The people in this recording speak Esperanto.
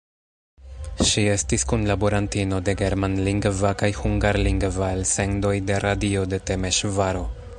Ŝi estis kunlaborantino de germanlingva kaj hungarlingva elsendoj de radio de Temeŝvaro.